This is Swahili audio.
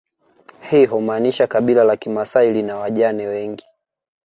Hii humaanisha kabila la kimasai lina wajane wengi